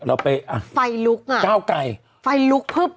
เก้าไกล